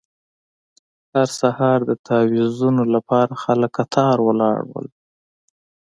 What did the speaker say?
هر سهار د تاویزونو لپاره خلک کتار ولاړ وو.